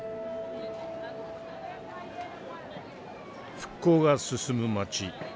復興が進む街。